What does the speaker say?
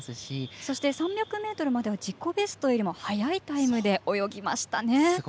そして３００ｍまでは自己ベストよりも速いタイムで泳ぎましたね。